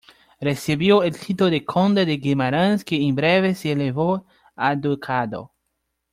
Recibió el título de conde de Guimarães que en breve se elevó a ducado.